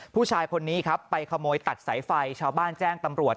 ผู้ชายคนนี้ครับไปขโมยตัดสายไฟชาวบ้านแจ้งตำรวจ